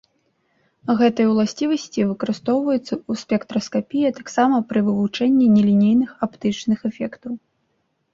Гэтыя ўласцівасці выкарыстоўваюцца ў спектраскапіі, а таксама пры вывучэнні нелінейных аптычных эфектаў.